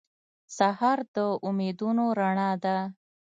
سهار د امیدونو رڼا ده.